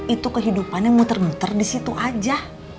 itu kehidupannya muter muter di situ aja